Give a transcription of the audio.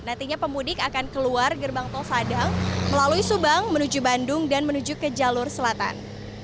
nantinya pemudik akan keluar gerbang tol sadang melalui subang menuju bandung dan menuju ke jalur selatan